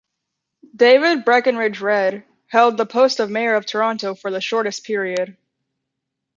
David Breakenridge Read held the post of mayor of Toronto for the shortest period.